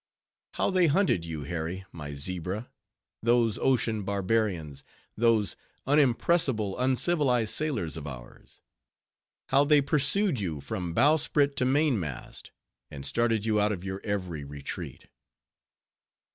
How they hunted you, Harry, my zebra! those ocean barbarians, those unimpressible, uncivilized sailors of ours! How they pursued you from bowsprit to mainmast, and started you out of your every retreat!